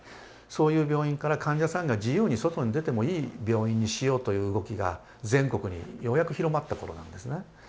そういう病院から患者さんが自由に外に出てもいい病院にしようという動きが全国にようやく広まった頃なんですね。